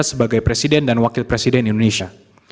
sebagai presiden dan wakil presiden indonesia